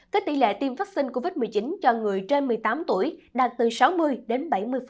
các tỷ lệ tiêm vaccine covid một mươi chín cho người trên một mươi tám tuổi đạt từ sáu mươi đến bảy mươi